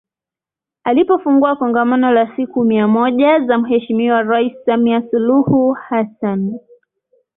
Alipofungua Kongamano la siku mia moja za Mheshimiwa Rais Samia Suluhu Hassan